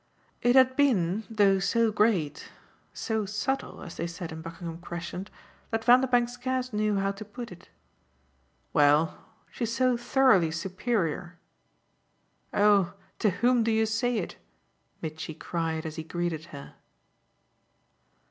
It had been, though so great, so subtle, as they said in Buckingham Crescent, that Vanderbank scarce knew how to put it. "Well, she's so thoroughly superior." "Oh to whom do you say it?" Mitchy cried as he greeted her.